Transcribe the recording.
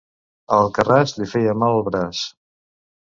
A Alcarràs li feia mal el braç.